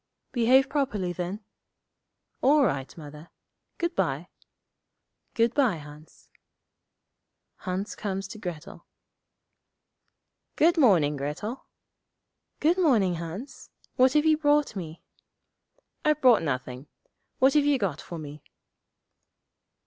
'Behave properly, then.' 'All right, Mother. Good bye.' 'Good bye, Hans.' Hans comes to Grettel. 'Good morning, Grettel.' 'Good morning, Hans. What have you brought me?' 'I've brought nothing. What have you got for me?'